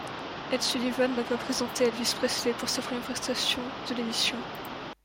Ed Sullivan n’a pas présenté Elvis Presley pour sa première prestation de l’émission.